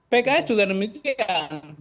pks juga demikian